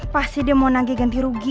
pasti dia mau nagi ganti rugi